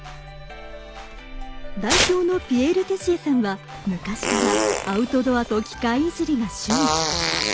代表のピエール・テシエさんは昔からアウトドアと機械いじりが趣味。